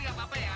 gak apa apa ya